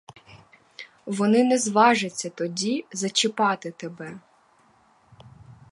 Вони не зважаться тоді зачіпати тебе.